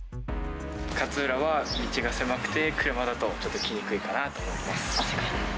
勝浦は、道が狭くて、車だとちょっと来にくいかなと思います。